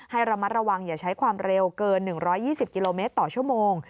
ให้ระมัดระวังอย่าใช้ความเร็วเกิน๑๒๐กิโลเมตรต่อชั่วโมง